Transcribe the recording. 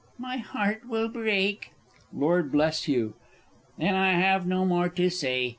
_) My heart will break! Lord B. Then I have no more to say.